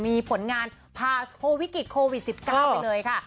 มีผลงานพาโควิกฤตโควิด๑๙ไปเลยค่ะ